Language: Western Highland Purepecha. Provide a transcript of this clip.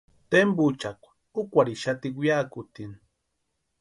Tempuchakwa úkwarhixati weakutini.